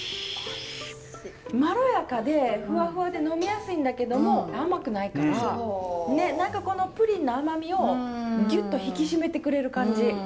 まろやかでフワフワで呑みやすいんだけども甘くないからね何かこのプリンの甘みをギュッと引き締めてくれる感じ。